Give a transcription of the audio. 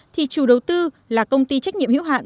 thì chủ đầu tư là công ty trách nhiệm hữu hạn